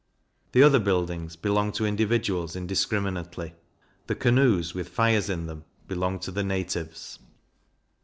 The other buildings belong to individuals indiscriminately. The Canoes, with fires in them, belong to the natives.